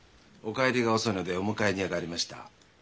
お帰りが遅いのでお迎えに上がりました。